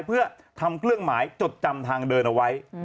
เพื่อทำเครื่องหมายจดจำทางเดินเอาไว้